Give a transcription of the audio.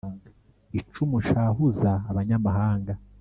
Icumu nshahuza abanyamahanga